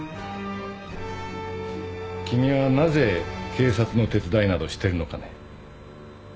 君はなぜ警察の手伝いなどしてるのかね？